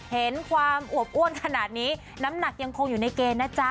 เห็นความอวบอ้วนขนาดนี้น้ำหนักยังคงอยู่ในเกณฑ์นะจ๊ะ